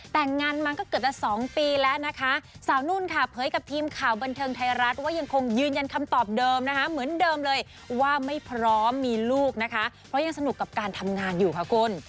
แต่งงานมาก็เกือบจะสองปีแล้วนะคะสาวนุ่นค่ะเผยกับทีมข่าวบันเทิงไทยรัฐว่ายังคงยืนยันคำตอบเดิมนะคะเหมือนเดิมเลยว่าไม่พร้อมมีลูกนะคะเพราะยังสนุกกับการทำงานอยู่ค่ะคุณ